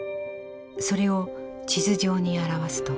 それを地図上に表すと。